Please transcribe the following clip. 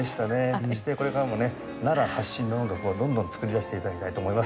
そしてこれからもね奈良発信の音楽をどんどん作り出して頂きたいと思います。